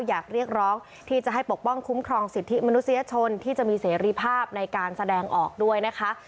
อยากเรียกร้องที่จะให้ปกป้องคุ้มครองสิทธิมนุษยชนที่จะมีเสรีภาพในการแสดงออกด้วยนะคะ